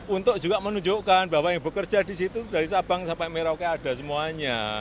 untuk juga menunjukkan bahwa yang bekerja di situ dari sabang sampai merauke ada semuanya